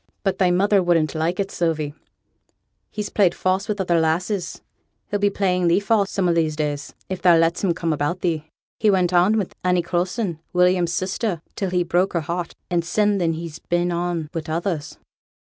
'But thy mother wouldn't like it, Sylvie; he's played false wi' other lasses, he'll be playing thee false some o' these days, if thou lets him come about thee. He went on wi' Annie Coulson, William's sister, till he broke her heart; and sin then he's been on wi' others.'